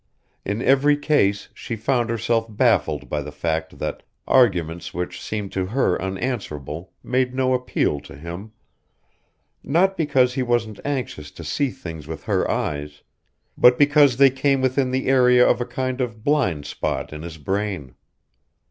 In every case she found herself baffled by the fact that arguments which seemed to her unanswerable made no appeal to him, not because he wasn't anxious to see things with her eyes, but because they came within the area of a kind of blind spot in his brain.